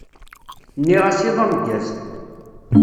Nniɣ-as iḍ ameggaz.